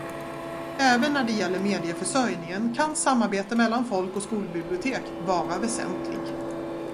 Även när det gäller medieförsörjningen kan samarbete mellan folk- och skolbibliotek vara väsentlig.